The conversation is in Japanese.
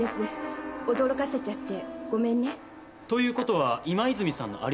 驚かせちゃってごめんね。ということは今泉さんのアリバイは？